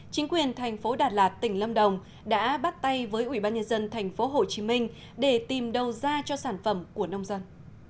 chính quyền thành phố đà lạt tỉnh lâm đồng đã bắt tay với ủy ban nhân dân thành phố hồ chí minh để tìm đâu ra cho sản phẩm của nông dân